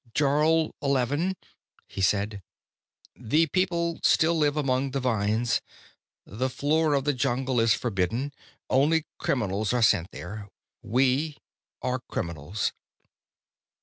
"Jarl Eleven," he said, "the people still live among the vines. The floor of the jungle is forbidden. Only criminals are sent there. We are criminals."